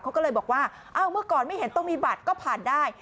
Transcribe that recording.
เขาก็เลยบอกว่าอ้าวเมื่อก่อนไม่เห็นต้องมีบัตรก็ผ่านได้